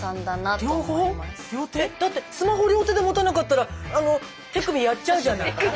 だってスマホ両手で持たなかったらあの手首やっちゃうじゃない。